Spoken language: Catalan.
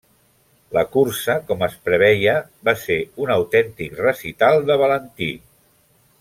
La cursa, com es preveia, va ser un autèntic recital de Valentí.